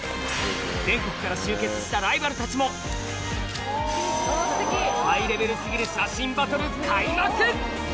全国から集結したライバルたちもハイレベル過ぎる写真バトル開幕！